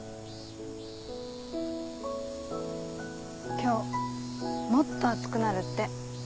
今日もっと暑くなるって。